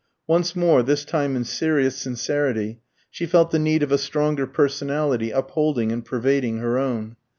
Once more, this time in serious sincerity, she felt the need of a stronger personality upholding and pervading her own.